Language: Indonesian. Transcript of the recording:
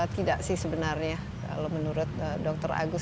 tidak sih sebenarnya kalau menurut dr agus